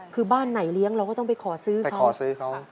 คือบ้านไหนเลี้ยงเราก็ต้องไปขอซื้อไปขอซื้อเขา